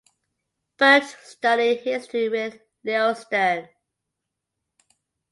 Berndt studied history with Leo Stern.